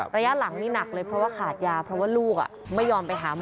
ระยะหลังนี่หนักเลยเพราะว่าขาดยาเพราะว่าลูกไม่ยอมไปหาหมอ